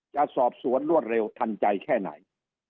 จะสอบสวนรวดเร็วทันใจแค่ไหน